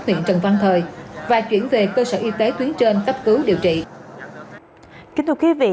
huyện trần văn thời và chuyển về cơ sở y tế tuyến trên cấp cứu điều trị